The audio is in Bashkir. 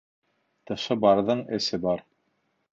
Тышы барҙың эсе бар.